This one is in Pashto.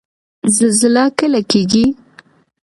زلزله کله کیږي؟